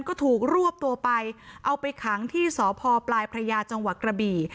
ก็ถูกรวบตัวไปเอาไปขังที่สพปลายพระยาจังหวัดกระบี่